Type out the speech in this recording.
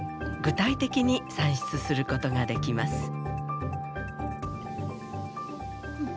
具体的に算出することができます。